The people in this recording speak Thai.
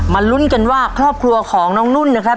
ลุ้นกันว่าครอบครัวของน้องนุ่นนะครับ